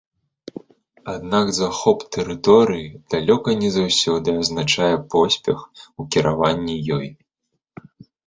Аднак захоп тэрыторыі далёка не заўсёды азначае поспех у кіраванні ёй.